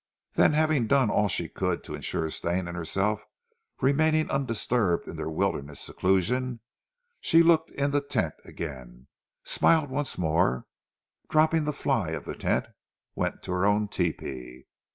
Then, having done all she could to ensure Stane and herself remaining undisturbed in their wilderness seclusion, she looked in the tent again, smiled once more, and dropping the fly of the tent, went to her own tepee.